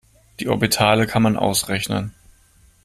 Die Orbitale kann man ausrechnen.